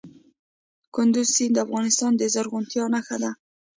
کندز سیند د افغانستان د زرغونتیا نښه ده.